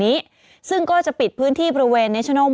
มีสารตั้งต้นเนี่ยคือยาเคเนี่ยใช่ไหมคะ